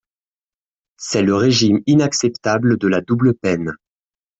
C’est le régime inacceptable de la double peine